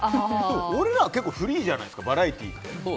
俺らはフリーじゃないですかバラエティーって。